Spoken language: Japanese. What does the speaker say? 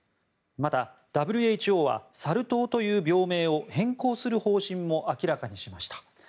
また、ＷＨＯはサル痘という病名を変更する方針も明らかにしました。